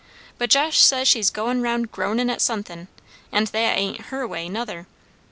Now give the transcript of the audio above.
But Josh says she's goin' round groanin' at sun'thin' and that ain't her way, nother.